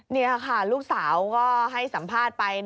นี่ค่ะลูกสาวก็ให้สัมภาษณ์ไป